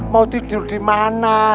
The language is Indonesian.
mau tidur dimana